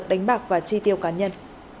đánh bạc và chi tiêu cá nhân